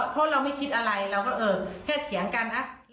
เพราะเราไม่คิดอะไรเราก็เออแค่เถียงกันนะ